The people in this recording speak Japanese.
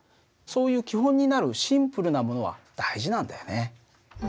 そういう基本になるシンプルなものは大事なんだよね。